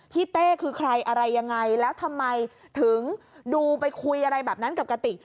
เต้คือใครอะไรยังไงแล้วทำไมถึงดูไปคุยอะไรแบบนั้นกับกติก